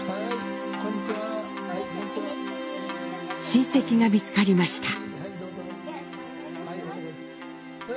親戚が見つかりました。